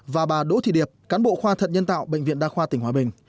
và bà đỗ thị điệp cán bộ khoa thận nhân tạo bệnh viện đa khoa tỉnh hòa bình